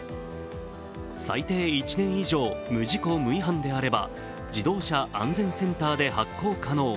最低１年以上無事故・無違反であれば自動車安全センターで発行可能。